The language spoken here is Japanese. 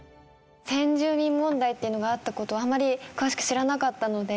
先住民問題っていうのがあった事をあんまり詳しく知らなかったので。